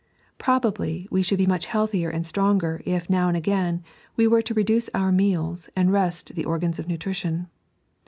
Probably we should be much healthier and stronger if now and again we were to reduce our meals and rest the oigans of nutrition.